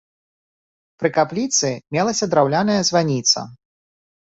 Пры капліцы мелася драўляная званіца.